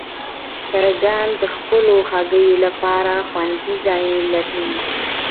چرګان د خپلو هګیو لپاره خوندي ځای لټوي.